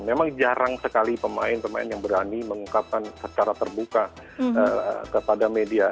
memang jarang sekali pemain pemain yang berani mengungkapkan secara terbuka kepada media